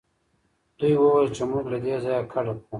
دوی وویل چې موږ له دې ځایه کډه کوو.